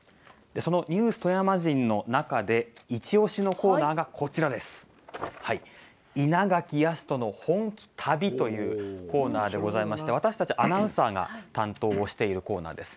「ニュース富山人」の中でいちおしのコーナーが「イナガキヤストの本気旅」というコーナーでございまして私たちアナウンサーが担当をしているコーナーです。